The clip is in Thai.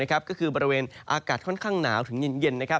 ก็คือบริเวณอากาศค่อนข้างหนาวถึงเย็น